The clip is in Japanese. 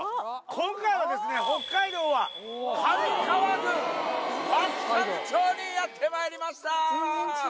今回はですね、北海道は上川郡和寒町にやってまいりましたー！